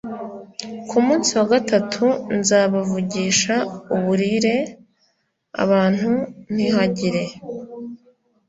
Ku munsi wa gatatu nzabavugisha uburire abantu ntihagire